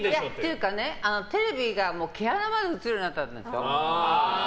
ていうかね、テレビが毛穴まで映るようになったでしょ。